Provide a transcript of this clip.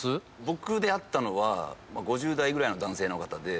僕であったのは５０代ぐらいの男性の方で。